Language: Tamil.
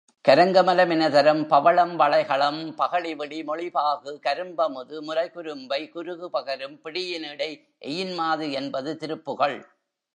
கரங்கமல மின தரம் பவளம்வளைகளம் பகழிவிழி மொழிபாகு கரும்பமுது முலைகுரும்பை குருகுபகரும் பிடியினிடை எயின்மாது என்பது திருப்புகழ்.